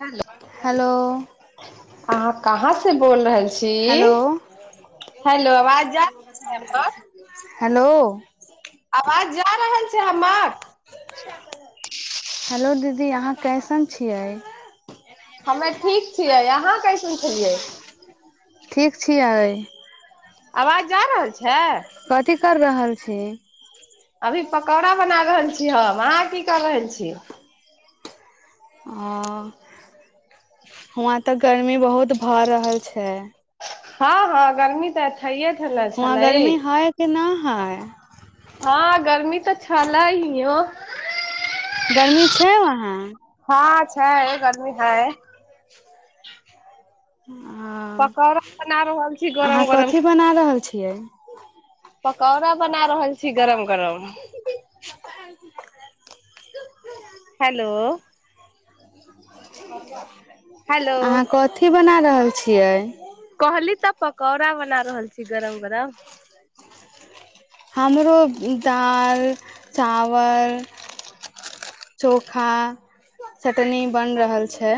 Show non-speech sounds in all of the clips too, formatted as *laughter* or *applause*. hello hello अहाँ कहाँ से बोल रहल छी हेलो हेलो आवाज जा हेलो आवाज जा रहल छै हमर हेलो दीदी अहाँ कैसन छियै हमे ठीक छियै अहाँ कैसन छलियै ठीक छियै आवाज जा रहल छै कथी कर रहल छी अभी पकौड़ा बना रहल छीय हम अहाँ की कर रहल छी आ हुहा तऽ गर्मी बहुत भऽ रहल छै हँ हँ गर्मी तऽ े ने छलै केना हइ हँ गर्मी तऽ छलय हियो गर्मी छै वहाँ हँ छै गर्मी हय आ पकौड़ा बना रहल छी अहाँ गरम गरम कथी बना रहल छै ठ *inaudible* पकौड़ा बना रहल छी गरम गरम हेलो हेलो अहाँ कथी बना रहल छियै कहली तऽ पकौड़ा बना रहल छी गरम गरम हमरो दाल चावल चोखा चटनी बन रहल छै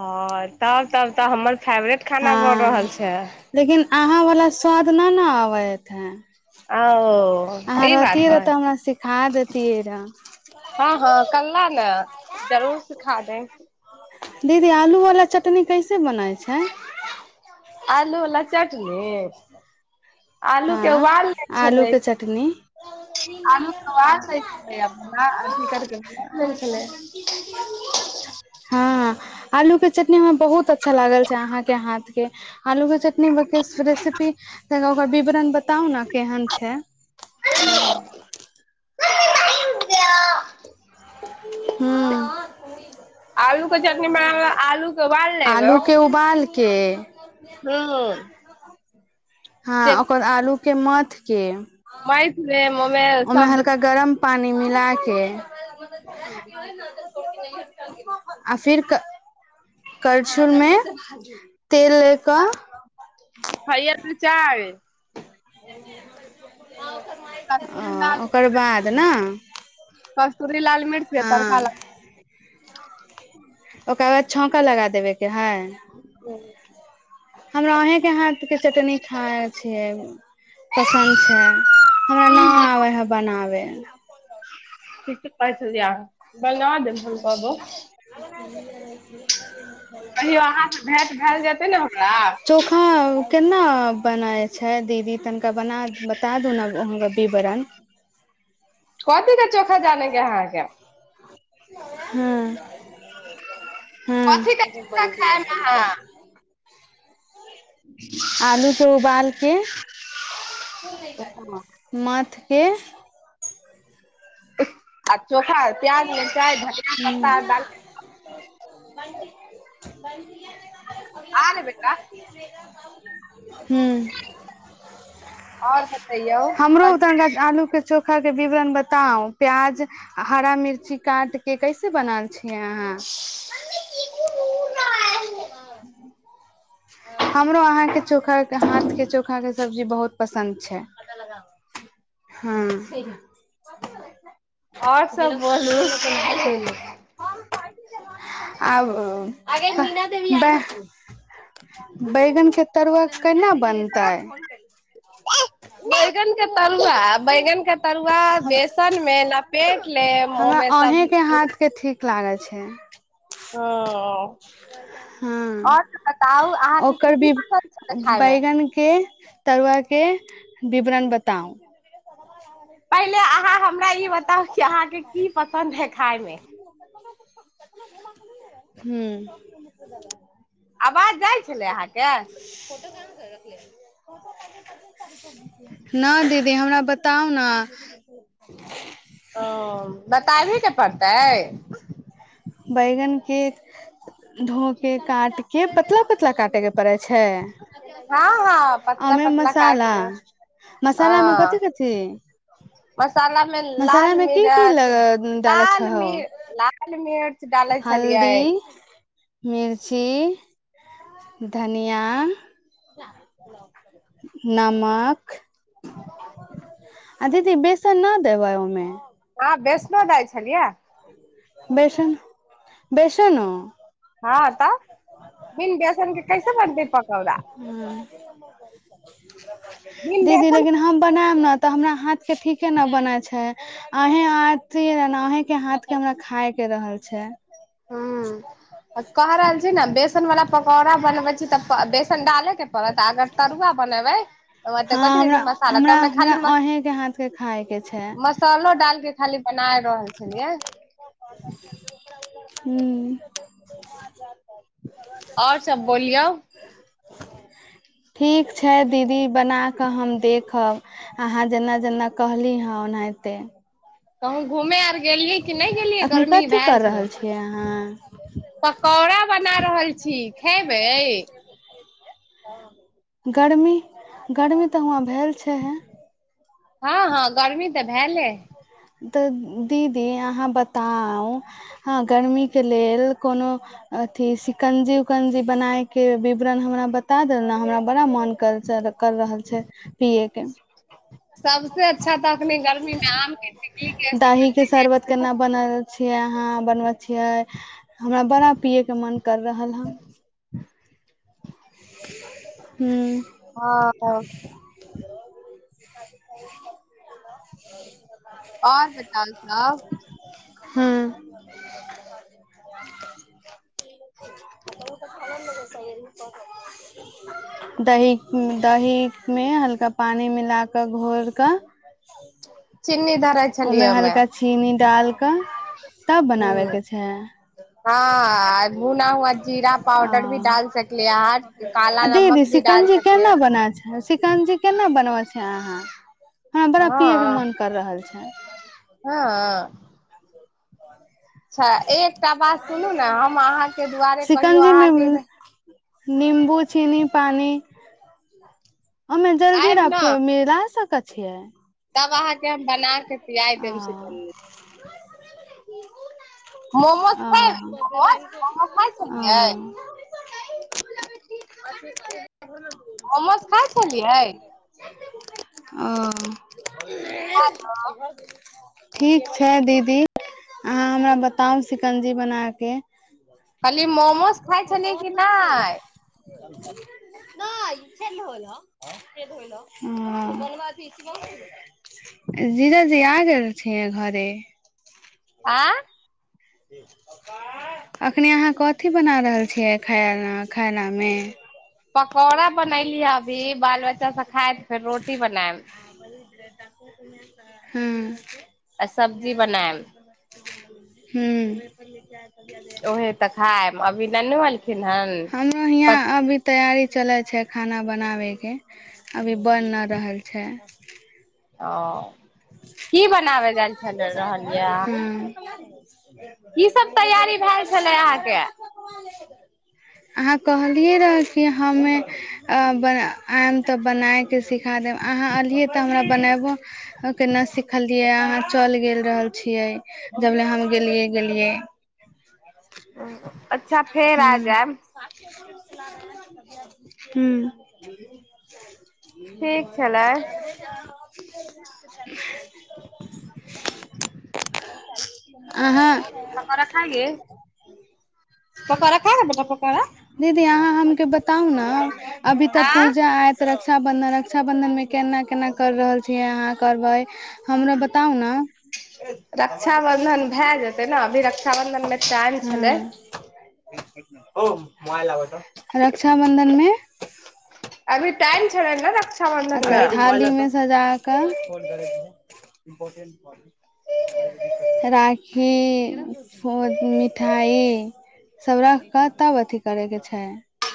ह तब तब तऽ हमर फेवरेट खाना बन हँ रहल छै लेकिन अहाँ वला स्वाद न ने आबेत है ओ अहाँ ई बात रहतियए रह है तऽ हमरा सिखा देतियै रह हँ हँ कला ने जरूर सिखा दे दीदी आलू वला चटनी कैसे बनाइ छै आलू अला चाटनी आलू के वाल लै छलै टनी *inaudible* छलै ्टी म्टी *inaudible* *unintelligible* आलू के चटनी हमरा बहुत अच्छा लागल छै अहाँ के हाथ के आलू के चटनी व रेसिपी ओकर विवरण बताउ ने केहन छै *inaudible* हँ आलूके चटनी बनाब आलूके बाल लेबै पाल के हँ ह ओकर आलू के मथ के मैथमे ओमे ओहिमे सब हल्का गरम पानी मिलाक आ फिर करछुल मे तेल ले कऽ *unintelligible* ओ ओकर बाद ने कस्तूरी लाल मिर्च हँ केतरका ल ओकर बाद छौका लगा देबेके हइ ह हमरा अहेंके हाथ के चटनी खाय छियै पसन्द छै हमरा नह आबै हइ बनाबै *unintelligible* *unintelligible* कहियौ अहाँके भेँट भै जेतै ने हमरा ओ केना बनाै छै दीदी तनिका बना बता दू ने अहाँके विवरण कथी के चोखा जाने के है अहाँके हं हं कथी के चोखा खायब अहाँ आलू के उबाल के मथ के आ चोखा प्याज मिरचाइ धनिया पत्ता आ हूँ डाल *inaudible* आने बेटा *inaudible* ह आओर बतैयौ हमरो तनका आलू के चोखा खा के विवरण बताउ प्याज आ हरा मिर्ची काटिके कैसे बनाल छियै अहाँ मम्मी दीदू घूर रहा है *unintelligible* हमरो अहाँके चोखा हाथ के चोखा के सब्जी बहुत पसन्द छै हँ आओर सब बोलू *inaudible* आब दे *unintelligible* बैंगन के तरुआ केना बनतै बैंगन के तरुआ बैंगन के तरुआ हम बेसन मे लपेट लेब ओ में सब ह लागल छै ओ हँ अहाँके की ओकर की भी पसन्द छलै खाय मे बैंगन के तरुआ के विवरण बताउ पहिले अहाँ हमरा ई बताउ कि अहाँके की पसन्द है खाय मे ह्म्म *unintelligible* आवाज जाइ छलै अहाँके *inaudible* न दीदी हमरा बताउ ने *inaudible* ओ बताबे के पड़तै बैंगन के धो के काट के पतला पतला काटे के पड़ै छै हँ हँ पतला ओमे पतला काट मसाला ले मसाला में कथी कथी मसालामे लाल की की मिरच ल डालै लाल छहो मिर्च लाल मिर्च डालै छलियै हल्दी मिर्ची धनिया नमक आ दीदी बेसन न देबै ओमे हँ बेसनों दै छलियै बेसन बेसनो हँ तऽ *unintelligible* बनतै पकौड़ा हँ *unintelligible* बिन दीदी बेसन लेकिन हम बनायब ने तऽ हमरा हाथ के ठीके ने बनै छै आहे आथ अहें के हाथ के हमरा खाय के रहल छै ह कह रहल छी ने बेसन वला पकौड़ा बनबै छी तऽ बेसन डालेके पड़त अगर तरुआ बनेबै तऽ हँ कथी कहै छै हमरा मसाला तऽ हमरा ओहिमे हमरा खाली अहे के हाथके खायके छै मसलो डाल के खाली बना रहल छलियै ह्म आओर सब बोलियौ ठीक छै दीदी बनाकऽ हम देखब अहाँ जेना जेना कहली हेँ ओनाहिते कहूँ घूमे आर गेलही की नहि गेलियै अखनी गर्मी कथी भए कर रहल छियै अहाँ पकौड़ा बना रहल छी खेबै गर्मी गर्मी तऽ हवँ भेल छैे हँ हँ गर्मी तऽ भेले हय दऽ दीदी अहाँ बताउ हँ गर्मीके लेल कोनो अथि शिकंजी उकंजी बनायके विवरण हमरा बता देल नऽ हमरा बड़ा मन कर छल कर रहल छै पियए के सबस अच्छा तऽ अखनी गर्मी मे आम के टिकली के दही शिकंजी शरबत केना बनल छियै अहाँ बनबै छियै हमरा बड़ा पियैके मन कर रहल हँ हू *unintelligible* हँ ह आओर बताओल जाउ हूं दहिक दहिमे हल्का पानि मिलाकऽ घोरिकऽ चीन्नी धरै ओहिमे छलियै हल्का चीनी डाल क तब बनाबे के छै हँ भुना हुआ जीरा आ पाउडर भी डाल सकलियै अहाँ काला आ नमक दीदी भी डाल शिकंजी सकलिय केना ह बना शिकंजी केना बनवै छै अहाँ हमरा बड़ा पियए के मन कर रहल छै हँ अच्छा एकटा बात सुनू ने हम अहाँके दुआरे कहियौ शिकंजी मे अहाँके इर निम्बू चीनी पानि ओइमे आयब जलजीरा ने मिला सकय छियै तब अहाँके हम बना केे पियाइ ओ देब शिकंजी मोमोज खायब मोमोज मोमो हँ खाइ छलियै हँ *inaudible* मोमोज खाइ छलियै ओ ठीक छै दीदी अहाँ हमरा बताउ शिकंजी बनाकऽ कहली मोमोज खाय छलिये कि नहि *inaudible* हं जीजा जी आ गेल छिये घरे आँ अखनी अहाँ कथि बना रहल छियै खायऽ खानाा मे पकौड़ा बनैली हँ अभी बाल बच्चा सब खाय हँ आ सब्जी बनायम ह्म ओहे तऽ खायब अभी ननु अलखिन हन हींयां पत अभी तैयारी चलै छै खाना बनाबैके अभी आ रहल छै ओ की बनाबै गैल छल रहलीये हा ह *inaudible* की सभ तैयारी भेल छलै अहाँके अहाँ कहलि रहऽ कि हमे ब आयब तऽ बनाए सिखा देब अहाँ एलै त हमरा बनाब के न सिखा कहलियै अहाँ चल गेल रहल छियै जब ले हम गेलियै गेलियै अच्छा फेर आ जायब हुँ ह ठीक छलै *inaudible* अहाँ पकोरा खायके पकोरा खाय पप्पा त रे दीदी यहाँ हम के बताउ ने अभी तऽ आँ पूजा आयत रक्षा बंधन रक्षा बंधन मे केना केना कर रहल छियै अहाँ करबै हमरो बताउ ने रक्षाबन्धन भए जेतै ने अभी रक्षाबन्धनमे टाइम छलै हो मोबाइल लाबा त रक्षा बंधन मे अभी टाइम छै ने रक्षा अच्छा थाली मे सजा कऽ राखी फ मिठाइ सब राख कऽ तब अथी करय के छै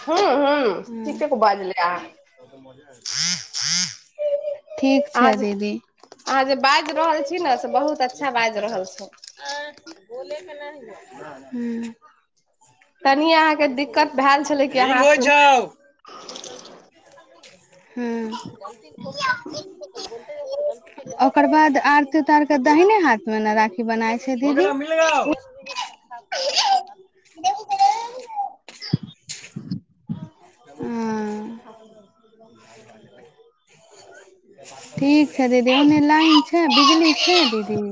हुँ हुँ ठीक क बाजले अहाँ आ हँ *inaudible* अहाँ छै जे दीदी अहाँ जे बाज रहल छी ने से बहुत अच्छा बाजि रहल छी आ बोल नहि तनि अहाँके हुँ दिक्कत भेल छलै कि रि्ंग अहाँ होइ सुन छो हुँ ओकर बाद अरती उतारि के दहिने हाथ मे ने राखी बनाय तमिल गग *inaudible* स *inaudible* हँ ठीक छै दीदी ओन्ने लाइन छै बिजली छै दीदी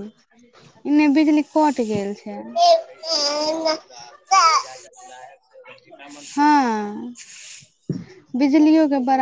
एने बिजली कट गेल छै हँ बिजलियो के बड़